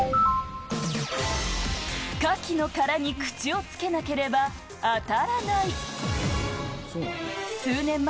カキの殻に口をつけなければあたらない。